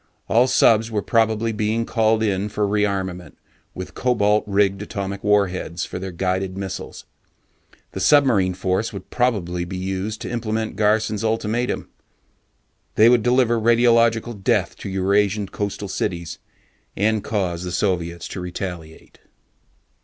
All subs were probably being called in for rearmament with cobalt rigged atomic warheads for their guided missiles. The submarine force would probably be used to implement Garson's ultimatum. They would deliver radiological death to Eurasian coastal cities, and cause the Soviets to retaliate.